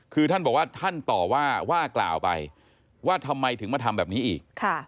คือท่านบอกว่าท่านต่อว่าว่ากล่าวไปว่าทำไมถึงมาทำแบบนี้อีก